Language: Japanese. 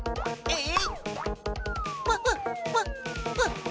えっ？